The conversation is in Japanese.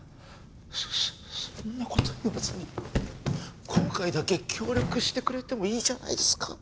そそんな事言わずに今回だけ協力してくれてもいいじゃないですか！